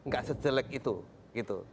gak sejelek itu